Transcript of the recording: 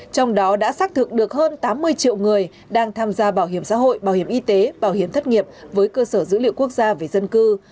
trong đó đã xác thực được hơn tám mươi triệu người đang tham gia bảo hiểm xã hội bảo hiểm y tế bảo hiểm thất nghiệp với cơ sở dữ liệu quốc gia về dân cư